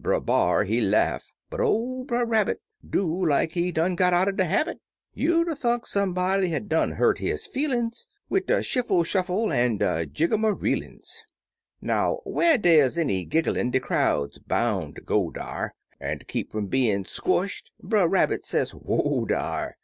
Brer B'ar he laugh, but ol' Brer Rabbit Do like he done got out'n de habit; You'd 'a' thunk somebody had done hurt his feelin's Wid dey shiffie shutfle an' dey jig um a reelin's. Now, whar dey's any gigglin' de crowd boun' ter go dar, An' ter keep fum bein' squshed Brer Rabbit say, " W'oa, dar!"